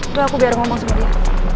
itu aku biar ngomong sama dia